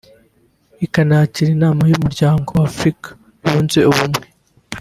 ikanakira inama y’Umuryango wa Afurika yunze ubumwe